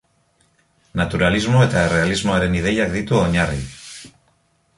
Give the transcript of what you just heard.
Naturalismo eta errealismoaren ideiak ditu oinarri.